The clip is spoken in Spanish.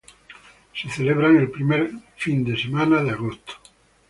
Se celebran el primer fin de semana de agosto.